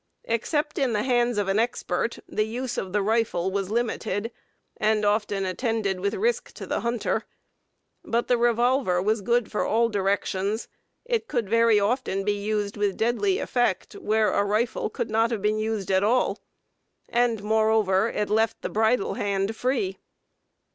Except in the hands of an expert, the use of the rifle was limited, and often attended with risk to the hunter; but the revolver was good for all directions; it could very often be used with deadly effect where a rifle could not have been used at all, and, moreover, it left the bridle hand free.